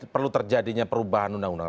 perlu terjadinya perubahan undang undang